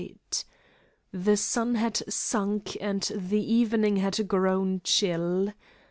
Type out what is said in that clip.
The sun had sunk and the evening had grown chill.